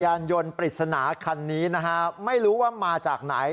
ยานยนต์ปริศนาคันนี้นะฮะไม่รู้ว่ามาจากไหน